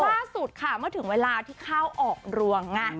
ล่าสุดค่ะเมื่อถึงเวลาที่เข้าออกรวงไง